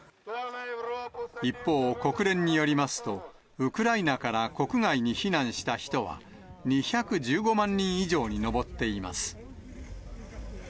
一方、国連によりますと、ウクライナから国外に避難した人は、２１５万人以上に上っています。